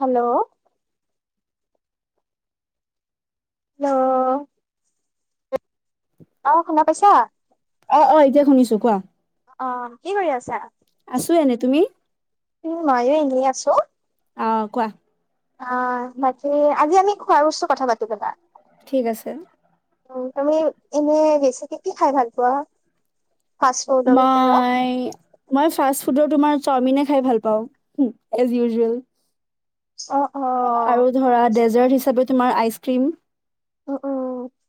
Hello. লৌ অ' শুনা পাইছা। অ'-অ' এতিয়া শুনিছো কোৱা। অ' কি কৰি আছা, আছো এনে তুমি উম ময়ো এনেই আছো। অ', কোৱা। অ' বাকী আজি আমি খোৱাৰ বস্তু কথা পাতো ব'লা। ঠিক আছে। উম, তুমি ইনে বেছিকে কি খাই ভাল পোৱা। ফাষ্ট ফুডৰ ভিতৰত? মাই মই ফাস্ট ফুডৰ তোমাৰ চাওমিনে খাই ভাল পাওঁ, এজ ইউজুৱেল। অ'- অ'। আৰু [unintelligible] তোমাৰ ice cream um um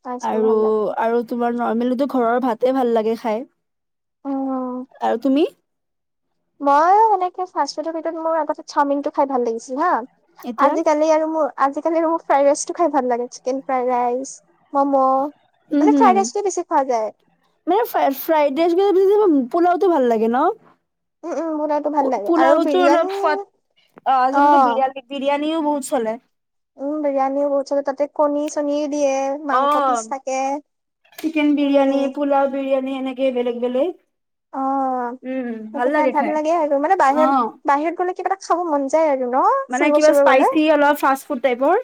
fast food আৰু ভাল লাগে। আৰু তোমাৰ নৰ্মেলি টো ঘৰৰ ভাতে ভাল লাগে খাই উম আৰু তুমি মই মানে কি ফাষ্ট ফুডৰ ভিতৰত মোৰ আগতে চাওমিন টো খাই ভাল লাগিছিল হা। এতিয়া আজিকালি আৰু মোৰ আজিকালি মোক ফ্ৰাইড ৰাইচ টো খাই ভাল লাগে, চিকেন ফ্ৰাইড ৰাইচ, ম'ম'। উম মানে হম ফ্ৰাইড ৰাইচটোৱে বেছি খোৱা যায়। মানে ফ্ৰা ফ্ৰাইড ৰাইছ পোলাওতো ভাল লাগে ন। উম উম বনাইটো ভাল লাগে আৰু পোলাওটো অলপ বিৰিয়ানী অ বিৰিয়ানি বিৰিয়ানী [unintelligible] বহুত চলে। উম বিৰিয়ানীও বহুত চলে ততে কণী চনি অ' চিকেন বিৰিয়ানী, উম পোলাও বিৰিয়া মানে এনেকে বেলেগ-বেলেগ। অ তাতে খাই ভাল লাগে আৰু মানে বাহিৰত অ', বাহিৰত গলে কিবা এটা খাব মন যায় আৰু ন মানে ফুৰিব কিবা চুৰিব গ'লে স্পাইচি অলপ ফাষ্ট ফুড টাইপৰ।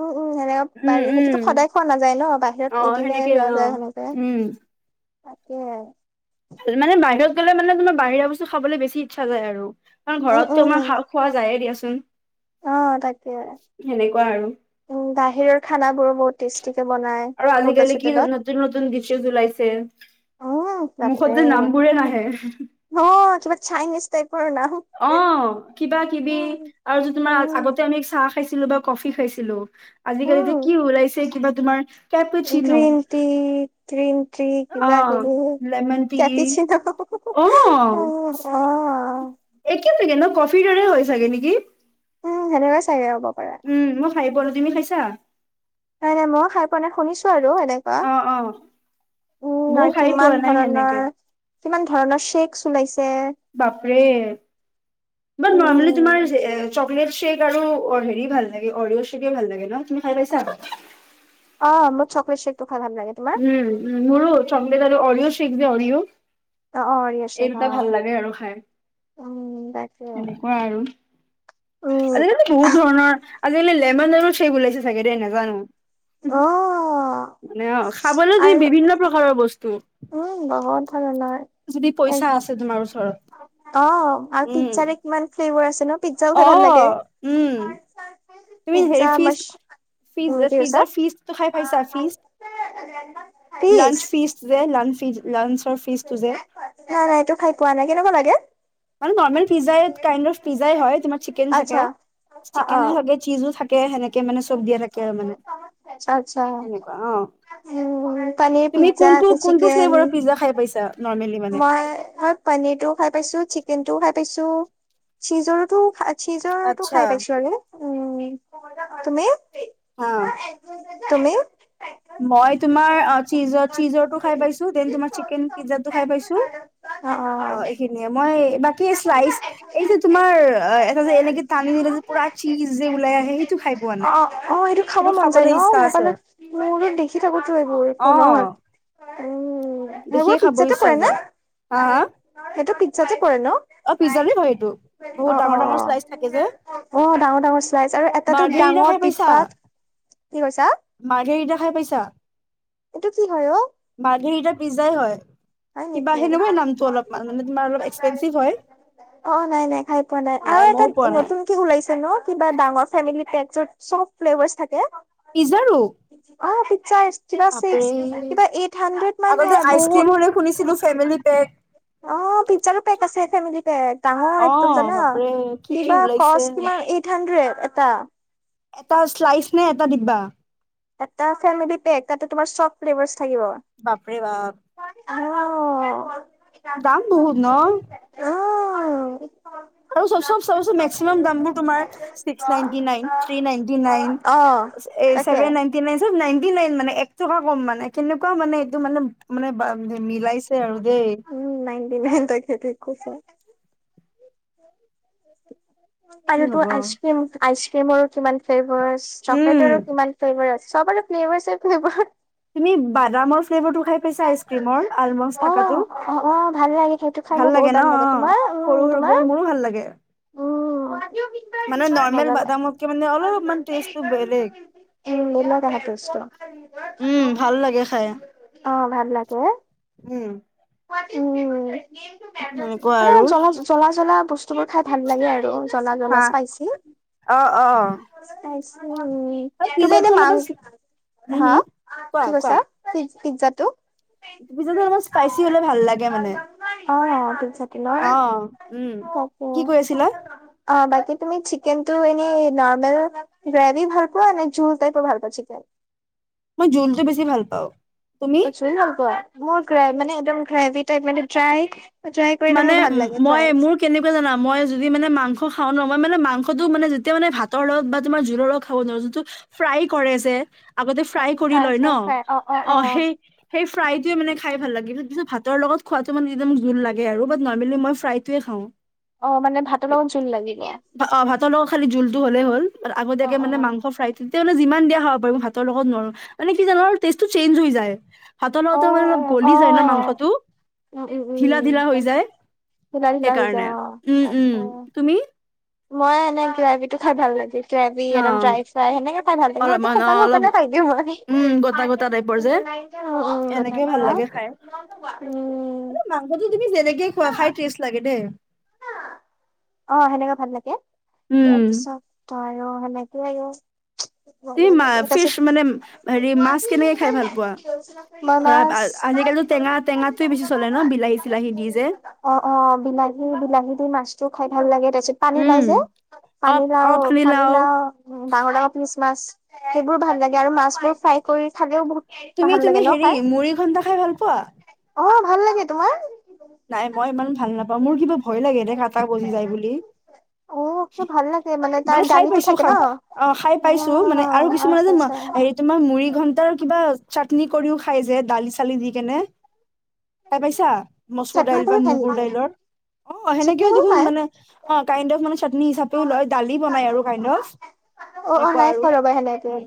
উম- উম। সেনেকে উম, [unintelligible] উম, সেইটোতো সদায় খোৱা নাযায় ন বাহিৰত অ', এদিনে সেনেকে যোৱা যায় অ'। সেনেকে। উম, তাকে মানে বাহিৰত গ'লে মানে তোমাৰ বাহিৰা বস্তু খাবলৈ বেছি ইচ্ছা যায় আৰু। আমাৰ উম ঘৰততো আমাৰ উম খা খোৱা যায়ে দিয়াচোন। অ' তাকে সেনেকুৱা আৰু। উম, বাহিৰৰ খানা বোৰো বহুত টেষ্টি। আৰু আজিকালি কি নতুন-নতুন ডীচেজ উলাইছে। উম বাপৰে মুখত যে নামবোৰে নাহে। অ কিবা চাইনিজ টাইপৰ নাম অ কিবা কিবি উম আৰু যে তোমাৰ উম আগতে আমি চাহ খাইছিলো বা কফি খাইছিলো, আজিকালি উম যে কি ওলাইছে কিবা তোমাৰ। কেপি চি ন', গ্ৰীণ টি গ্ৰীণ টি কিবা অ' কিবি লেমন টি অ', অ একে থাকে ন, কফিৰ দৰে হৈ চাগে নেকি? উম, সেনেকুৱাই চাগে হ'ব। পাৰে উম মই খাই বল, তুমি খাইছা? নাই নাই মই খাই পোৱা নাই শুনিছো আৰু। এনেকুৱা অ', অ'। উম, ময়ো খাই পোৱা কিমান নাই সেনেকে ধৰণৰ কিমান ধৰণৰ চেক্ বাপৰে ইমান নৰমেলি উম তোমাৰ এ চকলেট শ্বেক আৰু অ' হেৰি ভাল লাগে অৰিঅ' শ্বেক ভাল লাগে ন, তুমি খাই পাইছা? অ', মই চকলেট শ্বেক উম, উম মোৰো চকলেট আৰু অৰিঅ' শ্বেক যে অৰিঅ'। অ অ অৰিয় এই শ্বেক অ দুটা ভাল লাগে আৰু খাই। উম তাকে হেনেকুৱা আৰু উম আজিকালি বহুত ধৰণৰ আজিকালি লেমনও শ্বেক ওলাইছে চাগে দেই নাজানো। [inaudible] অ মানে অ, খাবলৈ যি আৰু বিভিন্ন প্ৰকাৰৰ বস্তু। উম, বহুত ধৰণৰ যদি পইচা এক- আছে তোমাৰ ওচৰত। অ', আৰু উম পিজ্জাৰে কিমান ফ্লেভাৰ আছে ন, পিজ্জাও অ খাই ভাল লাগে। উম তুমি পিজ্জা হেৰি ফিজ মাছ ফিজ উম, কি কৈছা? পিজ্জাৰ ফিজটো খাই পাইছা ফিজ? পিচ লঞ্চ ফিচ যে লাঞ্চ ফিচ। নাই - নাই এইটো খাই পোৱা নাই কেনেকুৱা লাগে। মানে নৰ্মেল পিজ্জা কাইণ্ড অফ পিজ্জাই হয় তোমাৰ চিকেন আচ্ছা থাকে অ', চিকেনে অ', থাকে চিজো থাকে সেনেকে মানে চব দিয়া থাকে আৰু মানে। আচ্ছা। সেনেকুৱা অ উম, পনীৰ তুমি পিজ্জা কোনটো আছে, কোনটো চিকেন ফ্লেভাৰৰ পিজ্জা খাই পাইছা নৰ্মেলি মানে মই পনিৰটোও খাই পাইছো চিকেনটোও খাই পাইছো চিজৰতো খায় চিজৰটো আচ্ছা খাই পাইছো আৰু উম তুমি? আহ। তুমি? মই তোমাৰ চিজৰ চিজৰটো খাই পাইছো। দেন তোমাৰ চিকেন পিজ্জা খাই পাইছো অ, এইখিনিয়েই মই এইবাৰ কি শ্লাইচ এই যে তোমাৰ এটা যে এনেকে টানি দিলে যে পুৰা চীজ যে ওলাই আহে সেইটো খাই পোৱা অ নাই অ খাব সেইটো মন যায় ন খাবলৈ ইচ্ছা আছে। মোবাইলত মোৰো দেখি থাকোতো এইবোৰ অ পোনৰ হয়। উম। দেখিয়ে সেইবোৰ খাব পিজ্জাতে ইচ্ছা পৰেনে, যায় হা হা সেইটো পিজ্জাতে পৰে ন? অ', পিজ্জাৰে হয় এইটো। বহুত অ', ডাঙৰ ডাঙৰ অ', শ্লাইচ থাকে যে অ', ডাঙৰ ডাঙৰ শ্লাইজ আৰু এটাতটো মাৰ্ঘেৰিটা ডাঙৰ খাই পাইছা টিকপাত [unintelligible] মাৰ্ঘেৰিটা খাই পাইছা? এইটো কি হয় অ'? মাৰ্ঘেৰিটা পিজ্জাই হয় হয় কিবা নেকি? সেনেকুৱাই নামটো অলপ মান, তোমাৰ অলপ এক্সপেঞ্চিভ হয়। অ', নাই নাই খাই পোৱা নাই আৰু এটা মইও পোৱা নাই নতুন কে ওলাইছে ন কিবা ডাঙৰ ফেমিলি পেক। য'ত চ'ব ফ্লেভাৰচ থাকে। পিজাৰু? অ', পিজ্জা কিবা চিক্স কিবা এইট হান্ড্ৰেড মান আগতে হয়। আইচক্ৰীম বহুত [unintelligible] ফেমিলি পেক অ', পিজ্জাৰো পেক আছে ফেমিলি পেক অ ডাঙৰ একদম জানা। বাপৰে কি কি কিবা ওলাইছে ক্ৰচ কিমান এইট হাণ্ড্ৰেড এটা। এটা শ্লাইচ নে এটা দিব্বা? এটা ফেমেলী পেক তাতে তোমাৰ চব ফ্লেভাৰচ বাপৰে বাপ দাম অ বহুত ন অ আৰুব চাব চ মেক্সিমাম দামব তম্স নাইটি ন থ নি ন অ' তাকে। চছেভেন নাইন নাইনটি নাইনটি আৰু দেই উম নাইনটি নাইনটা খে থ খুছ কি আৰু তোৰ হ'ব। আইচ ক্ৰীম আইচ ক্ৰীমৰ কিমান ফে উম চকলেটৰো কিমান ফ্লেভাৰ আছে সব আৰু ফ্ভাৰ ফ্ভাৰ তুমি বাদামৰ ফ্ভাৰটো খাই পাইছে আইচ ক্ৰ্ৰীমৰ আলমছ অ থকা অ অ ভাল লাগে সেইটো খাই মোৰ ভাল বহুত লাগে ন তোমাৰ উম সৰু সৰুকে তোমাৰ মোৰো ভাল লাগে মানে [unintelligible] নৰ্মেল নলে বাদামতকে মানে অলপমান টেষ্টটো বেলেগ উম নল আহে উম ভাল লাগে খাই অ ভাল লাগে উম উম সেনেকুৱা মানে আৰু জ জ্বলা জ্বলা বস্তু বোৰ খাই ভাল লাগে আৰু জ্বলা জ্বলা হা স্পাইছেি উ অ অ আৰু তুমি এনে পিজ্জাটো মাং অলপমান হম হা হম কোৱা কি কোৱা কৈছািজ পিজ্জাটো পিজ্জাটো অলমান স্পাইচি হলে ভাল লাগে মানে অ অ চতি ল অ উম কি কৈ আছিলা অ বাকী তুমি ন্তু এনেই নৰ্মেল গ্ৰেভি ভাল পোৱা নে জ টাইপ ভাল পোৱা চিকেন মই জলটো বেছি ভাল পাওঁ তুমি োৱা মোৰ মানে এক্ৰ মানাই মানে মই মোৰ কেনেকুৱা জানা মই যদি মানে মাংস খাও নোৱাৰো মই মানে মাং ো মানে যেতিয়া মানে ভাতৰ লগত বা তোমাৰ জোলৰ লগত খাব নোৱাৰো যোনটো ফ্ৰাই কৰে যে আগতে ফ্ৰাই কৰি লয় ন অ সেই সেই ফ্ৰাইটয়ে মানে খাই ভাল লাগে পিছত ভাতৰ লগত খোৱাাতটো মানে একদ জোল লাগে আৰু নৰ্মেল মই ফ্ৰাইটোৱে খাওঁ অ', মানে ভাতৰ লগত জোল লাগিব। ভাত ন খালি জুল হ'লেই হল আগতীয়াকে অ', মানে অ'। মাংস ফ্ৰাই থতে মানে যিমান দিয়া খাব পাৰি মই হাতৰ লগত নোৱাৰো মানে কি জানো টেষ্টটো চেঞ্জ হৈ যায় হাতৰ লগওঁতে মানে অলপ অ', গলি যায় ন অ'। মাংসটো উম, উম, ঢিলা া হৈ উম। যায় ঢিলা ঢিলা হৈ সেইকাৰণে যায় অ', উম উম তাকে। তুমি মই এনে গিলাপি টো খাই ভাল লাগিল গ্ৰেভি অ একদম ড্ৰাই ফ্ৰাই সেনেকে খাই ভাল লাগে মইটো অলপমান অ শুকান অলপ শুকানে পাই দিওঁ মই উম গটা গটা টাইপৰ যে উ উ কথা এনেকে ক ভাল লাগে খাই উম মানে মাংসটো তুমি যেনেকে খুৱোৱা খাই টেষ্ট লাগে দেই অ সেনেকা ভাল লাগে উম তাৰপিছত অ আৰু সেনেকে তুমি মা আৰু ফিচ তাৰত মানে হেৰি মাছ কেনেকে খাই ভাল পোৱা ধৰা আ- আজিকালিতো টেঙা টেঙাটোৱে বেছি চলে ন বিলাহী চিলাহী দি যে ম অ অ বিলাহী বিলাহী দি মাছো খাই ভাল লাগে তাৰ পিছত পানী লাও উম যে পানী অপ লাও অপ পানী মিলাও লাও। াঙৰাঙৰ পি মাছবোৰ ভাল ল আৰু মাছবোৰ ফ্ৰাই কৰি খালেও বু তুমি তুমি হেৰি মুড়ি ঘন্টা খাই ভাল পোৱা অ ভাল লাগে তোমাৰ নাই মই ইমান ভাল নাপাওঁ মোৰ কিবা ভয় লাগে দে কাটা বজি যায় বুলি অ কিয় ভাল লাগে তাৰ মানে খাই দালিটো পাইছো থাকে ন খাম অ খাই পাইছো মানে আৰু কিছুমানে আচ্ছা যেন ম আচ্ছা তোমাৰ মুৰি ঘণ্টাৰ কিবা চাটনি কৰিও খাই যে দালি চালি দি কেনে খাই পাইছা মচুৰ চাটনি দাইল বা কৰি খাই মগুৰ নেকি দাইলৰ অ চাটনি সেনেকেও কৰি দেখোন খাই মানে অ কাইড অফ মানে চাটনি হিচাপেও লয়, দালি বনাই আৰু কাইণ্ড অফ। অ অ এনেকুৱা নাই আৰু, খোৱা ৰবা সেনেকে উম।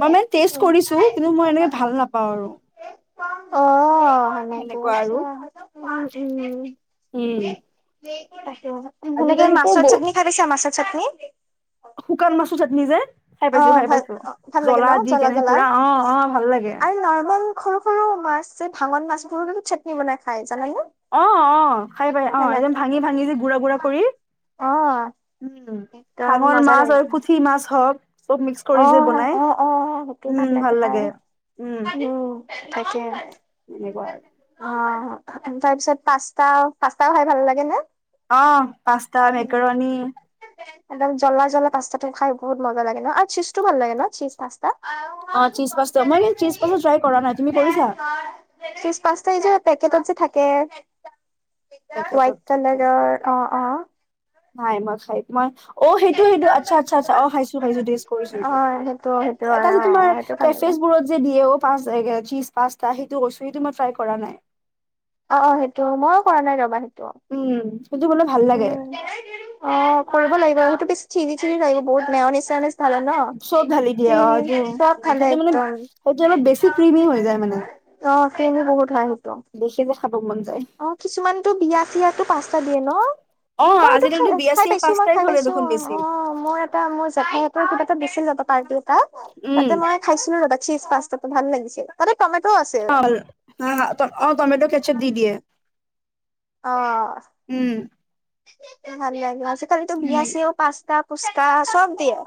মই মানে টেষ্ট উম কৰিছো, কিন্তু মই এনেকে ভাল নাপাওঁ আৰু। অহ। [inaudible] সেনেকুৱা আৰু সেনেকে মাছৰ উম চাটনি খাই আজিকালিতো পাইছা? ব মাছৰ চাটনি। শুকান মাছৰ চাটনি যে। খাই অ পাইছো, খাই ভাল পাইছো। ভাল লাগে ন জ্বলা দি কেনে জ্বলা পুৰা অ', অ, ভাল লাগে। আৰু নৰ্মেল সৰু সৰু মাছ ভাঙন মাছবোৰো চাটনি বনাই খাই। জানে নে? অ অ', খাই পাই, অ', একদম ভাঙি ভাঙি যে গুৰা গুৰা কৰি। অ উম। উম, একদম ভাঙৰ মাছ আৰু পুঠি মাছ হওক। চব মিক্স কৰি যে অহ, বনাই অ', অ, উম ভাল লাগে সেইটো উম, তাকেহে। এনেকুৱা আৰু অ', অ। তাৰ পিছত পাস্তা, পাস্তাও খাই ভাল লাগে নে? অ পাস্তা মেকাৰণী একদম জ্বলা জ্বলা পাস্তাটো খাই বহুত মজা লাগে নহ আৰু চীজটো ভাল লাগে নহ চীজ পা অ', চীজ পাস্তা, মই কিন্তু চীজ পাস্তা ট্ৰাই কৰা নাই। তুমি কৰিছা? চীজ পাস্তা এই যে পেকটত যে থাক কে, হোৱাইট পেকেটত থাকে কালাৰৰ, অহ, অ। নাই, মই খাই, মই, অ', সেইটো সেইটো। আচ্ছা, আচ্ছা, আচছা, অ', খাইছো খাইছো, টেষ্ট কৰিছো অ সেইটো। সেইটো সেইটো এটা হয় যে অ তোমাৰ সেইটো ভাল লাগে কেফেচ বোৰত যে দিয়ে অ। চীজ পাস্তা সেইটো কৈছো, সেইটো মই ট্ৰাই কৰা নাই। অ', অ, সেইটো, মইয়ো কৰা নাই ৰবা সেইটো। উম। সেইটো বোলে ভাল লাগে উম। অ', কৰিব লাগিব সেইতো বেছি চিৰি চিৰি লাগিব, বহুত মেওনিজ-চেওনিজ ধালে নহ, চব ঢালি দিয়ে অ ই সেইটো উম, চব ধালে সেইটো মানে একদম। সেইটো অলপ বেছি ক্ৰিমি হৈ যায় মানে অ', ক্ৰীমো বহুত হয়, সেইটো। দেখি যে খাব মন যায় অ', কিছুমানটো বিয়া-চিয়াতটো পাঁচটা দিয়ে নহ? অ মই সেইটো খাই আজিকালি বিয়া খাই চিয়া পাইছো মই পাস্তাই খাই চলে পাইছো। দেখোন বেছি অ', মোৰ এটা মোৰ জেঠাই হতৰ দিছিল এবাৰ পাৰ্টি এটাত, উম তাতেই মই খাইছিলো এবাৰ চীজ পাস্তাটো, ভাল লাগিছিল। তাতে টমেট' আছিল অ', টমেট' কেছআপ দি দিয়ে। অহ। উম ভাল লাগে, আজিকালিতো সেনেকে বিয়া-চিয়ায়েও পাঁচটা- ফুচকা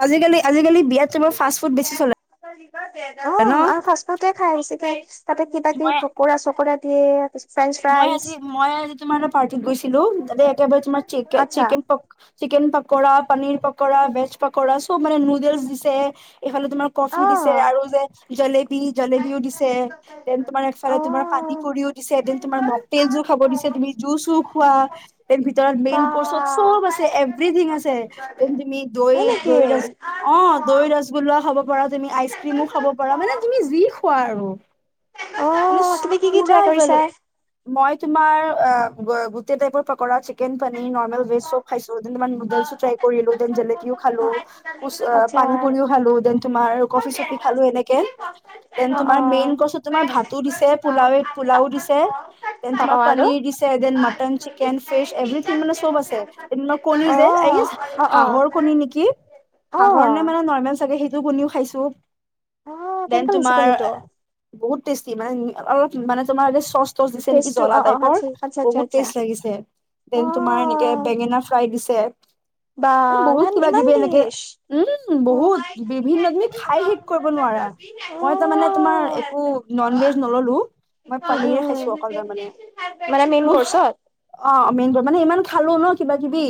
আজিকালি, আজিকালি বিয়াত চব ন অ', আৰু ফাষ্ট ফুডহে খাই বেছিকে, তাতে কিবা-কিবি মই প'কৰা-চ'কৰা। [unintelligible] মই আজি, মই আজি তোমাৰ এটা পাৰ্টিত গৈছিলো, তাতে একেবাৰে তোমাৰ চিকে আচ্ছা chicken chicken pakora, paneer pakora, veg pakora চব মানে নুডেলচ দিছে। এইফালে তোমাৰ কফি দিছে অ আৰু যে জলেবি জলেবিও দিছে, দেন তোমাৰ এফালে তোমাৰ প অ', কৰিও দিছে, এদিন তোমাৰ মখতেল জোৰ খাব দিছে, তুমি জুচো খোৱা। তে ভিতৰত বা। মেইন কৰ্চত চব আছে, এভৰিথিং আছে। তেন তুমি দৈ হয় নেকি? দৈ আছ অ', দৈ ৰগোল্লা খাব পাৰা, তুমি আইচ ক্ৰীমো খাব পাৰা, মানে তুমি যি খোৱা আৰু। মানে অ', তুমি কি কি পোৰা ট্ৰাই কৰিছা? মই তোমাৰ, অ', গোটেই টাইপৰ পকৰা চি চিকেন পনীৰ [unintelligible] ভেজ চব খাইছো, ডেন তোমাৰ নুডলচও ট্ৰাই কৰিলো, ডেন জলেবীও খালোঁ। আচ্ছা। অ', পানী পুৰিও খালো, দেন তোমাৰ কফি-চফি খালো এনেকে। দেন তোমাৰ অ'। মেইন কৰ্চত তোমাৰ ভাতো দিছে, পোলাও পোলাও দিছে। দেন অ', তোমাৰ অ', আৰু? পনীৰ দিছে, দেন অ', মটন, চিকেন, ফিছ এভিথিং মানে স'ব আছে। [unintelligible] আই গেছ অ', অ'। হাঁহৰ কণী নেকি? অ', হাঁহৰ নে মানে নৰ্মেল চাগে সেই টো কনিও খাইছো। আহ, দেন কেনেকা লাগিছে তোমাৰ কনিটো? বহুত টেষ্টি, মানে অলপ মানে তোমাৰ চচ দিছে নেকি, টেষ্টটো জ্বলা অ', অ', টাইপৰ আচ্ছা, আচ্ছা, আচ্ছা, বহুত আচ্ছা। টেষ্ট লাগিছে দেন তোমাৰ এনেকে বেঙেনা ফ্ৰাই দিছে বা মানে বহুত কিবা ইমান কিবি [unintelligible] এনেকে উম, বহুত বিভিন্ন তুমি খাই শেষ কৰিব নোৱাৰা। মই তাৰ মানে তোমাৰ একো ন'ন ভেজ নললো। মই পানীৰে খাইছো অকলাৰ মানে মানে মেইন মোৰ কৰ্চত অ', মেইন মানে ইমান খালো ন কিবা-কিবি,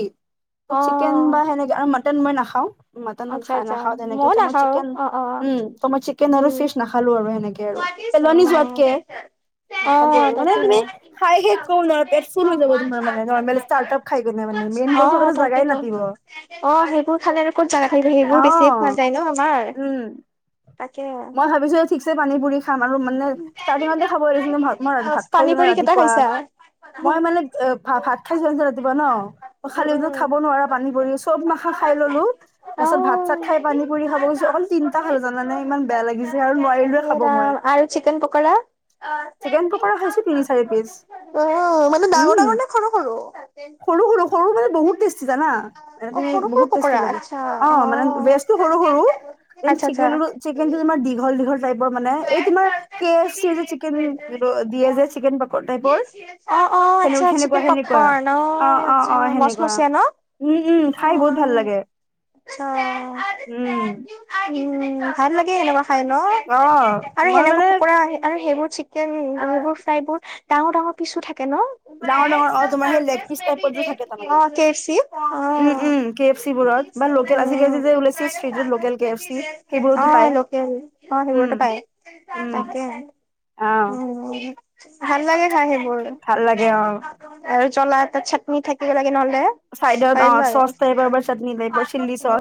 অ চিকেন বা সেনেকে আৰু মাটন মই নাখাও। মটন ম আচ্ছা খাই আচ্ছা নাখাও তেনেকে। ময়ো ত মই নাখাও চিকেন, অ অ উম' ত মই চিকেন আৰু উম ফিচ নাখালো আৰু সেনেকে আৰু অ পেলনি যোৱাতকে অ', মানে, তাকে তুমি খাই-খাইফুল হৈ যাব। তমাৰ মেষ্টাৰ খাই মানে। মেই অ' তাকেতো অ, সেইবোৰ খালে আৰু ক'ত জানা থাকিল। সেইবোৰ বেছি খোৱা অ', যায় ন আমাৰ। উম'' তাকে মই ভাবিছো ঠিকছে পানী-পুৰি খাম আৰু মানে ষ্টাৰ্টিঙতে খাব লিছিল। মই ভাত খাই পানী নাই পুৰি কেইটা ৰাতিপুৱা। খাইছা? মই উম মানে এ' ভ-ভাত খাইযোৱা ৰাতিপুৱা ন, খালি উ উম। খাব নোৱাৰা পানী-পৰি চব মাখা খাই ললো। তাৰ অ। পছতাত-ভাত খাই পানী-পুৰি খাব গৈছো। অকল তিনিটা খালো। জানে ইমান বেয়া লাগিছে আৰু নোৱাৰিলো এ খাব ৰাম মই। আৰু চিকেন পকৰা? চিকেনটোক খাইছো তিনি চাৰি পিচ। অ', মানে উম। ডাঙৰ-ডাঙৰ নে সৰু-সৰু? সৰু সৰু সৰু মানে বহুত টেষ্টি জানা মানে অ', তুমি সৰু-সৰু বহুত টেষ্টি পকৰা লাগে আচ্ছা, মানে অ'। ভেজটো আচ্ছা-আচ্ছা। কিন্তুমাৰ দঘ-দীঘল [unintelligible] এই তোমাৰ কে এফ দিয়ে যে, চিকেন দিয়ে যে, চিকেন পকৰা টাইপৰ। অ অ আচ্ছা চিকেন সেনে-সেনেকুৱা-সেনেকুৱা পপকৰ্ণ অ'! অ'! আচ্ছা অ'! সেনেকুৱা। মচমচীয়া ন? উম, উম, খাই বহুত ভাল লাগে। [unintelligible] উম, উম ভাল লাগে সেনেকুৱা খাই ন'। অ আৰু মই সেনেকুৱা মানে পকৰা, আৰু সেইবোৰ চিকেন, সেইবোৰ ফ্ৰাই বোৰ, ডাঙৰ, ডাঙৰ পিছো থাকে। ডাঙৰ ডাঙৰ অ তোমাৰ সেই লেগ পিচ টাইপত যে থাকে [unintelligible] অ'! তাৰমানে কে এফ চি। অ'! উম উম কে এফ চি বোৰত বা লোকেল আজিকালি যে ওলাইছে ষ্ট্ৰিটত লোকেল কে এফ চি সেইবোৰতো পায় অ'! লোকেল। উম [unintelligible] পায়। উম তাকে, অ উম, ভাল লাগে খায়। [unintelligible] ভাল লাগে অ আৰু জ্বলাকে চাটনি থাকিব লাগে। চাইডত অ চচ টাইপৰ বা চাটনি টাইপৰ চিলি [unintelligible] চচ